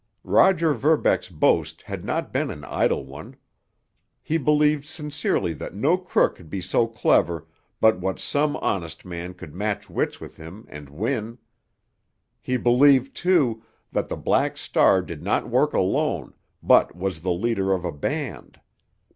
Roger Verbeck's boast had not been an idle one. He believed sincerely that no crook could be so clever but what some honest man could match wits with him and win. He believed, too, that the Black Star did not work alone, but was the leader of a band.